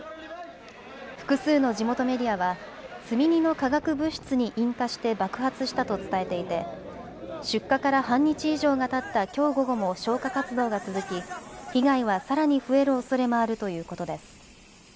複数の地元メディアは積み荷の化学物質に引火して爆発したと伝えていて出火から半日以上がたったきょう午後も消火活動が続き被害はさらに増えるおそれもあるということです。